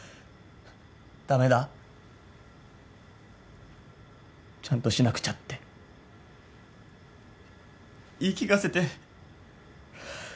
駄目だちゃんとしなくちゃって言い聞かせて。